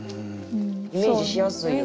イメージしやすいよね。